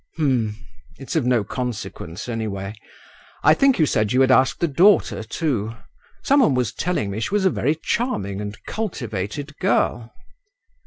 "H'm. It's of no consequence anyway. I think you said you had asked the daughter too; some one was telling me she was a very charming and cultivated girl."